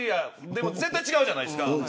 でも、絶対違うじゃないですか。